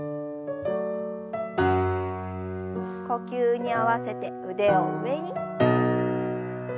呼吸に合わせて腕を上に。